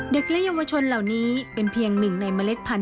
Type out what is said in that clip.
เด็กและเยาวชนเหล่านี้เป็นเพียงหนึ่งในเมล็ดพันธ